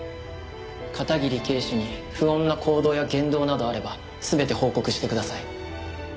片桐警視に不穏な行動や言動などあれば全て報告してください。